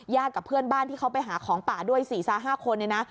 กับเพื่อนบ้านที่เขาไปหาของป่าด้วย๔๕คนเนี่ยนะ